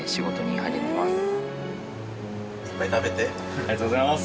ありがとうございます！